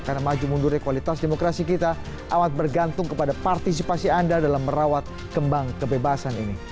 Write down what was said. karena maju mundurnya kualitas demokrasi kita amat bergantung kepada partisipasi anda dalam merawat kembang kebebasan ini